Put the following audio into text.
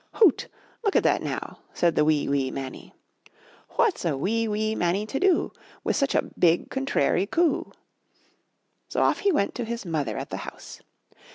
''Hout! Look at that now,'* said the wee, wee Mannie — ''What's a wee, wee Mannie to do Wi' such a BIG, CONTRAIRY COO?" So off he went to his mother at the house.